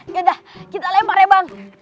yaudah kita lempar ya bang